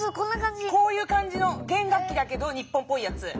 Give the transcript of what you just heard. こういう感じの弦楽器だけど日本っぽいやつ。